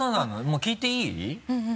もう聞いていい？